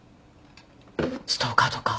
ストーカーとか？